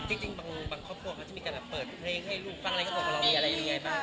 จริงบางครอบครัวเขาจะมีการแบบเปิดเพลงให้ลูกฟังอะไรก็บอกว่าเรามีอะไรยังไงบ้าง